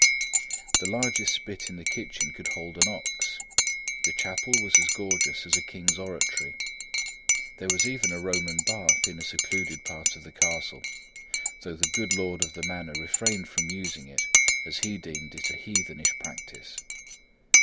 The largest spit in the kitchen could hold an ox; the chapel was as gorgeous as a king's oratory. There was even a Roman bath in a secluded part of the castle, though the good lord of the manor refrained from using it, as he deemed it a heathenish practice.